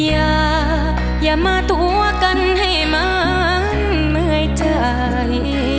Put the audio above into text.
อย่าอย่ามาทัวร์กันให้มันเหมือยถ่าย